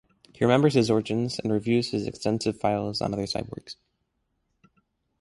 He remembers his origins, and reviews his extensive files on other cyborgs.